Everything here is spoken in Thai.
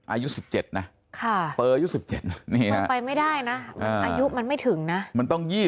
อายุ๑๗นะเปอร์อายุ๑๗นี่มันไปไม่ได้นะอายุมันไม่ถึงนะมันต้อง๒๐